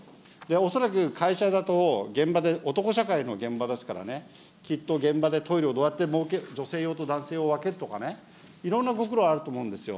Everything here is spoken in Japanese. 恐らく会社だと、現場で男社会の現場ですからね、きっと現場で、トイレをどうやって設ける、女性用と男性用を分けるとかね、いろんなご苦労あると思うんですよ。